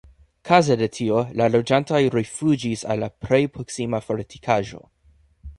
Kaze de tio la loĝantoj rifuĝis al la plej proksima fortikaĵo.